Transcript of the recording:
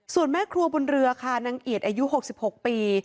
ส่วนแม่ครัวบนเรือค่ะนางเอียดอายุ๖๖ปี